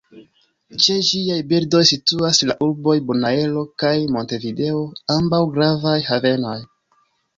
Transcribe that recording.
Ĉe ĝiaj bordoj situas la urboj Bonaero kaj Montevideo, ambaŭ gravaj havenoj.